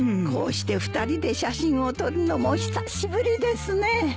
こうして２人で写真を撮るのも久しぶりですね。